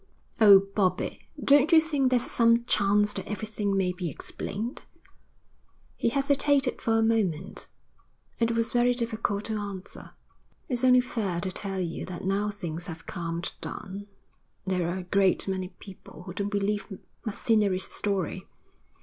'Oh, Bobbie, don't you think there's some chance that everything may be explained?' He hesitated for a moment. It was very difficult to answer. 'It's only fair to tell you that now things have calmed down, there are a great many people who don't believe Macinnery's story.